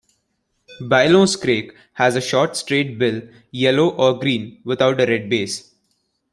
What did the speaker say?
Baillon's crake has a short straight bill, yellow or green without a red base.